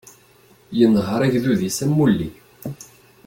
Yenḥeṛ agdud-is am ulli.